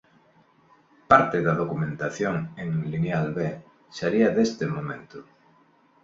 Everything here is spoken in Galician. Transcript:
Parte da documentación en Lineal B sería deste momento.